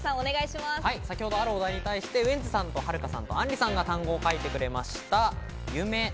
先ほど、あるお題に対してウエンツさんと、はるかさん、あんりさんが単語を書いてくれました。